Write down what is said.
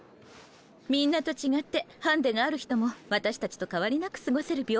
みんなと違ってハンデがある人も私たちと変わりなく過ごせる